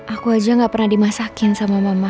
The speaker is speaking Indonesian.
aku aja gak pernah dimasakin sama mama